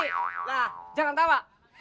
lah jangan ketawa